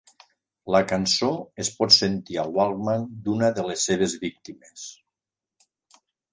La cançó es pot sentir al walkman d'una de les seves víctimes.